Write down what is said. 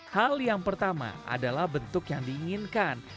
hal yang pertama adalah bentuk yang diinginkan